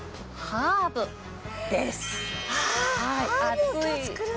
あハーブを今日作るんだ。